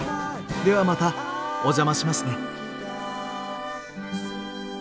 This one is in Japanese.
ではまたお邪魔しますね。